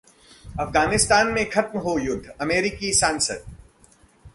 अफगानिस्तान में खत्म हो युद्ध: अमेरिकी सांसद